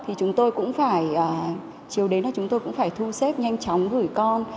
thì chúng tôi cũng phải chiều đến là chúng tôi cũng phải thu xếp nhanh chóng gửi con